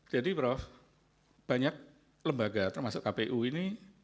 jadi prof banyak lembaga termasuk kpu ini